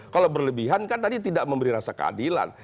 kalau berlebihan kan tadi tidak memberi rasa keadilan